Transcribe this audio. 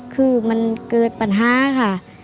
คือมันเกิดปัญหาค่ะ